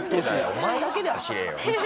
お前だけで走れよ。